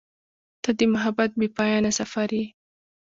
• ته د محبت بېپایانه سفر یې.